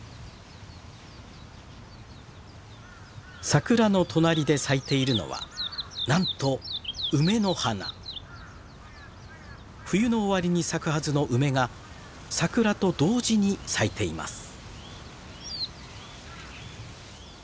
桜の隣で咲いているのはなんと冬の終わりに咲くはずの梅が桜と同時に咲いています。